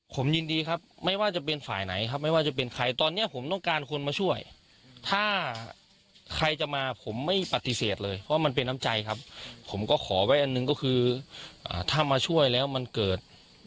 ผมยินดีครับไม่ว่าจะเป็นฝ่ายไหนครับไม่ว่าจะเป็นใครตอนนี้ผมต้องการคนมาช่วยถ้าใครจะมาผมไม่ปฏิเสธเลยเพราะมันเป็นน้ำใจครับผมก็ขอไว้อันหนึ่งก็คือถ้ามาช่วยแล้วมันเกิด